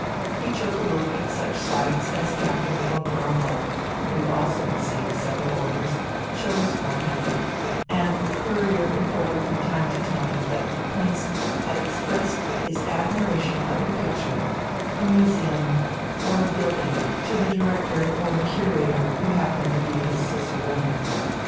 He took a look at such sights as Captain von Braunbart (who also received several Orders) chose for him, and the Courier reported from time to time that the Prince had expressed his admiration of a picture, a museum, or a building to the director or curator who happened to be his cicerone.